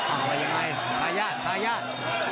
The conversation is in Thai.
ว่ายังไงทายาททายาท